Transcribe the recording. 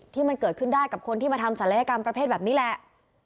ที่มันเกิดขึ้นได้กับคนที่มาทำศัลยกรรมประเภทแบบนี้แหละ